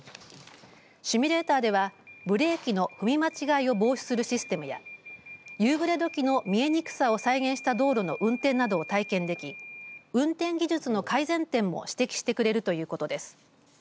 シミュレーターではブレーキの踏み間違いを防止するシステムや夕暮れどきの見えにくさを再現した道路の運転などを体験でき運転技術の改善点も指摘してくれるということです。